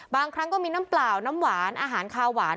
บางครั้งก็มีน้ำเปล่าน้ำหวานอาหารคาวหวาน